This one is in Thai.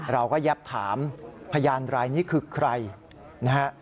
เราก็แยบถามพยานรายนี้คือใครนะฮะ